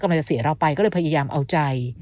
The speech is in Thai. มันจะเสียเราไปก็เลยพยายามเอาใจ